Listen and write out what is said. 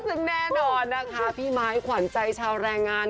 ซึ่งแน่นอนนะคะพี่ไม้ขวัญใจชาวแรงงาน